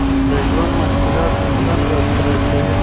د ژوند مشکلات انسان غښتلی کوي.